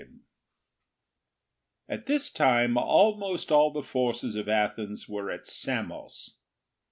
3 6 At this time! almost all the forces of Athens were at Samos.